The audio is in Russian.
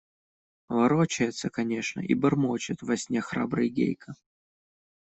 Ворочается, конечно, и бормочет во сне храбрый Гейка.